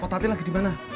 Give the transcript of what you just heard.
kok tati lagi di mana